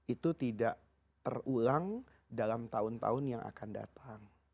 itu tidak terulang dalam tahun tahun yang akan datang